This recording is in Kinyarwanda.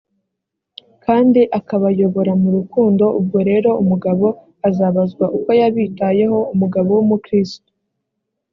kandi akabayobora mu rukundo ubwo rero umugabo azabazwa uko yabitayeho umugabo w umukristo